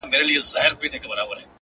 د بنگړو په شرنگهار کي يې ويده کړم_